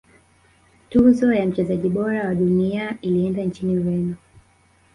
tuzo ya mchezaji bora wa dunia ilienda nchini ureno